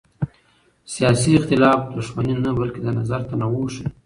سیاسي اختلاف دښمني نه بلکې د نظر تنوع ښيي